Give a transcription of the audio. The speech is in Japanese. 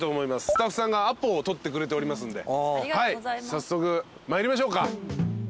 スタッフさんがアポを取ってくれておりますんで早速参りましょうか。